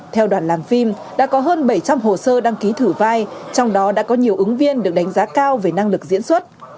theo đoàn làm phim đã có hơn bảy trăm linh hồ sơ đăng ký thử vai trong đó đã có nhiều ứng viên được đánh giá cao về năng lực diễn xuất